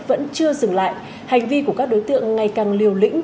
vẫn chưa dừng lại hành vi của các đối tượng ngày càng liều lĩnh